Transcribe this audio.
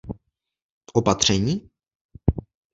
Opatření?